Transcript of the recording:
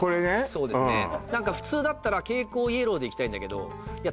そうですね何か普通だったら蛍光イエローでいきたいんだけどいや